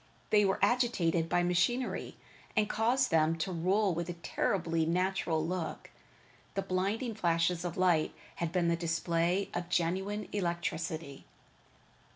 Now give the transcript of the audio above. They were agitated by machinery that caused them to roll with a terribly natural look. The blinding flashes of lightning had been the display of genuine electricity.